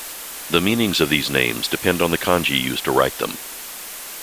The meanings of these names depend on the kanji used to write them.